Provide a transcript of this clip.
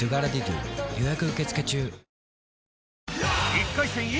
１回戦Ｅ